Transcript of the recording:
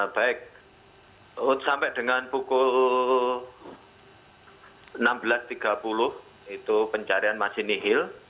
baik sampai dengan pukul enam belas tiga puluh itu pencarian masih nihil